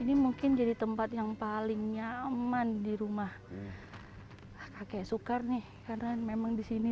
ini mungkin jadi tempat yang paling nyaman di rumah kakek sukar nih karena memang di sini